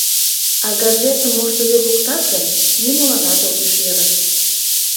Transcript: А газетым моштыде луктат гын, нимоланат огеш йӧрӧ.